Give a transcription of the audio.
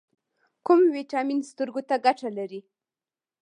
کوم ویټامین سترګو ته ګټه لري؟